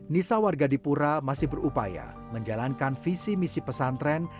nisa warga dipura masih berupaya menjalankan visi misi pesantren